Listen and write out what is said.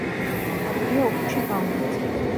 დაფარულია უხეში ბალნით.